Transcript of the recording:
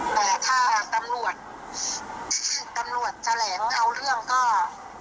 แต่ถ้าตำรวจแจลงเอาเรื่องก็